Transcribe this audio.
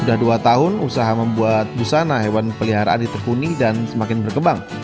sudah dua tahun usaha membuat busana hewan peliharaan ditekuni dan semakin berkembang